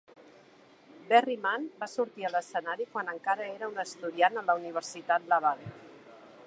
Berryman va sortir a l'escenari quan encara era un estudiant a la Universitat Laval.